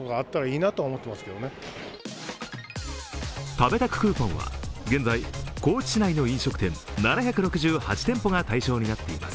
食べタククーポンは現在高知市内の飲食店７６８店舗が対象となっています。